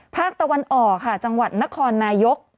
ภาคตะวันออกค่ะจังหวัดนครนายก